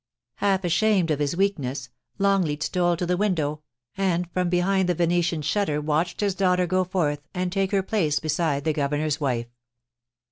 Half ashamed of his weakness, Longleat stole to the window, and from behind the venetian shutter watched his daughter go forth and take her place beside the Governor's wife.